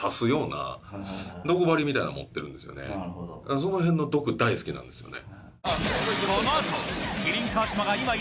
そのへんの毒大好きなんですよね。